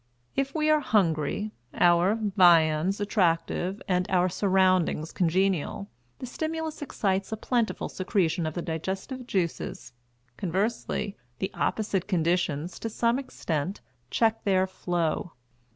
If we are hungry, our viands attractive, and our surroundings congenial, the stimulus excites a plentiful secretion of the digestive juices; conversely, the opposite conditions, to some extent, check their flow.